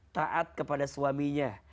taat kepada suaminya